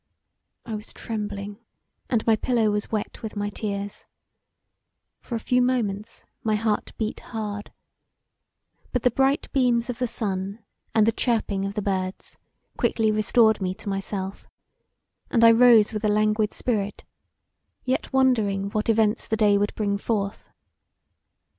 I was trembling and my pillow was wet with my tears; for a few moments my heart beat hard, but the bright beams of the sun and the chirping of the birds quickly restored me to myself, and I rose with a languid spirit, yet wondering what events the day would bring forth.